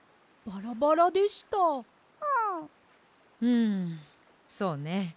んそうね。